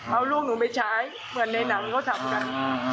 เอาลูกหนูไปใช้เหมือนในหนังเขาทำกัน